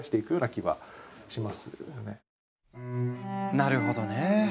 なるほどね。